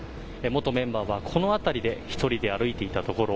元メンバーはこの辺りで１人で歩いていたところ